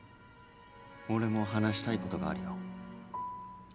俺も話したいことがあるよ。